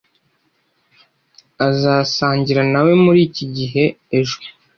Azasangira na we muri iki gihe ejo.